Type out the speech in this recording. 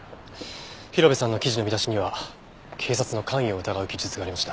広辺さんの記事の見出しには警察の関与を疑う記述がありました。